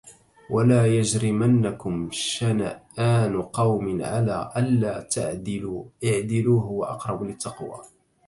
وَلَا يَجْرِمَنَّكُمْ شَنَآنُ قَوْمٍ عَلَىٰ أَلَّا تَعْدِلُوا اعْدِلُوا هُوَ أَقْرَبُ لِلتَّقْوَىٰ.